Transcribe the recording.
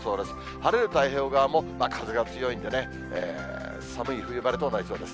晴れる太平洋側も、風が強いんでね、寒い冬晴れとなりそうです。